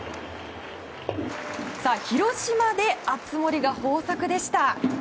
広島で熱盛が豊作でした。